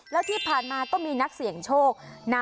แล้วที่ผ่านมาก็มีนักเสี่ยงโชคนะ